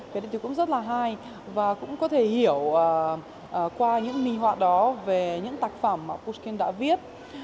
cái đấy thì cũng rất là hay và cũng có thể hiểu qua những minh họa đó về những tác phẩm mà pushkin đã viết